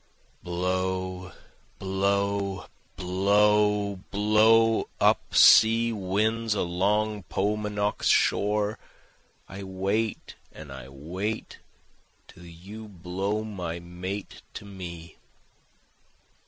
Blow! blow! blow! Blow up sea winds along Paumanok's shore; I wait and I wait till you blow my mate to me.